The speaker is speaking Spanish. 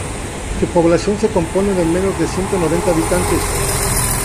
Su población se compone de menos de ciento noventa habitantes.